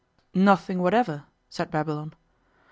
'Nothing whatever,' said Babylon.